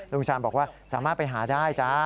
ลุงชาญบอกว่าสามารถไปหาได้จ้า